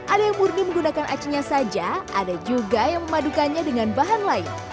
ada yang murni menggunakan acinya saja ada juga yang memadukannya dengan bahan lain